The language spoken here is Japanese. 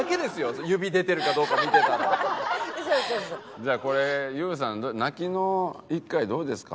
じゃあこれＹＯＵさん泣きの１回どうですか？